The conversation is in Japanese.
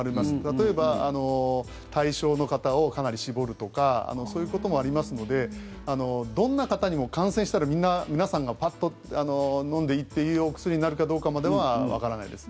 例えば、対象の方をかなり絞るとかそういうこともありますのでどんな方にも感染したらみんな、皆さんがパッと飲んでいいというお薬になるかどうかまではわからないです。